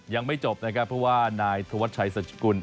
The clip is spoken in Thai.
ยังไม่จบนะครับเพราะว่านายธวรรษชัยสจกุลอีกหนึ่ง